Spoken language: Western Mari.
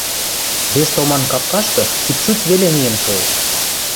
Вес томан капкашкы чуть-чуть веле миэн шоэш.